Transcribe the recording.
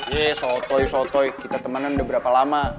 ye sotoy sotoy kita temenan udah berapa lama